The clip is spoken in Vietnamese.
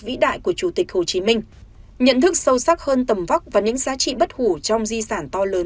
vĩ đại của chủ tịch hồ chí minh nhận thức sâu sắc hơn tầm vóc và những giá trị bất hủ trong di sản to lớn